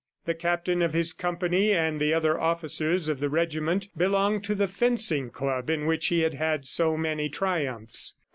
The captain of his company and the other officials of the regiment belonged to the fencing club in which he had had so many triumphs.